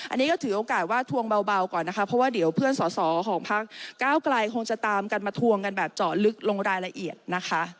อันนี้ก็ถือโอกาสว่าทวงเบาก่อนนะคะเพราะว่าเดี๋ยวเพื่อนสอสอของพักเก้าไกลคงจะตามกันมาทวงกันแบบเจาะลึกลงรายละเอียดนะคะ